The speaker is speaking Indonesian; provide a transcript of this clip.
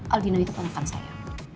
aldino itu penekan saya